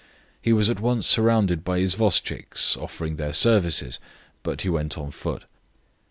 He was at once surrounded by isvostchiks offering their services, but he went on foot.